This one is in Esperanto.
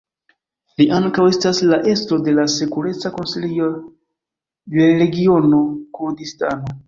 Li ankaŭ estas la estro de la Sekureca Konsilio de Regiono Kurdistano.